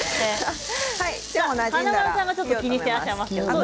華丸さんが気にしてらっしゃいます。